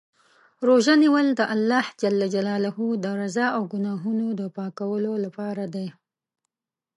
روژه نیول د الله د رضا او ګناهونو د پاکولو لپاره دی.